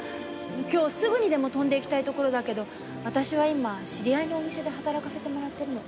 今日すぐにでも飛んで行きたいところだけど私は今知り合いのお店で働かせてもらってるの。